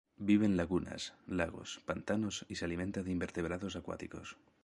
Vive en lagunas, lagos, pantanos y se alimenta de invertebrados acuáticos.